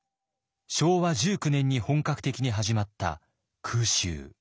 昭和１９年に本格的に始まった空襲。